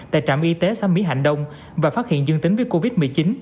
tại trạm y tế xã mỹ hạnh đông và phát hiện dương tính với covid một mươi chín